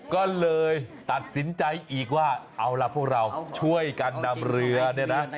ก็เลยตัดสินใจอีกว่าเอาล่ะพวกเราช่วยกันนำเรือเนี่ยนะ